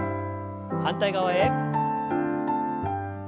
反対側へ。